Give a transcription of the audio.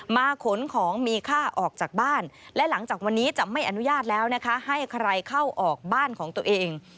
ขนของมีค่าออกจากบ้านและหลังจากวันนี้จะไม่อนุญาตแล้วนะคะให้ใครเข้าออกบ้านของตัวเอง